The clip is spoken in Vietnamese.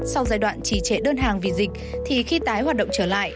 sau giai đoạn chỉ trễ đơn hàng vì dịch thì khi tái hoạt động trở lại